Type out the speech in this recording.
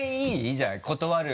じゃあ断る。